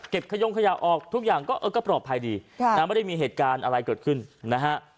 ขยงขยะออกทุกอย่างก็เออก็ปลอดภัยดีไม่ได้มีเหตุการณ์อะไรเกิดขึ้นนะฮะ